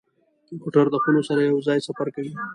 موټر د خونو سره یو ځای سفر کوي.